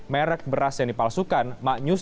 merek beras yang dipalsukan maknyus